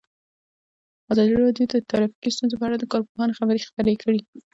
ازادي راډیو د ټرافیکي ستونزې په اړه د کارپوهانو خبرې خپرې کړي.